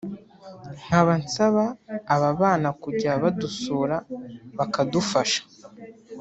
nkaba nsaba aba bana kujya badusura bakadufasha